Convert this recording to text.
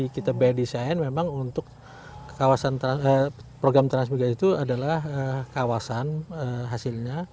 kita by design memang untuk program transmigrasi itu adalah kawasan hasilnya